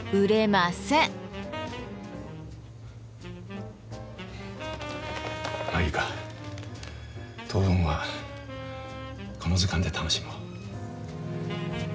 まあいいか当分はこの図鑑で楽しもう。